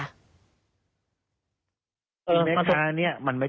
ที่มีข่าวหมดเลย